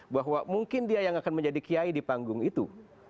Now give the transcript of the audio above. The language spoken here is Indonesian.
bahwa mungkin dia yang akan menjadi kiai di panggung itu